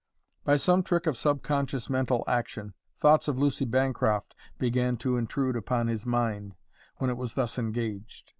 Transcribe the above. By some trick of subconscious mental action, thoughts of Lucy Bancroft began to intrude upon his mind when it was thus engaged.